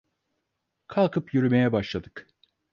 Kalkıp yürümeye başladık.